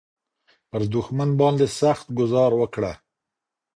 پر دښمن باندې سخت ګوزار وکړه.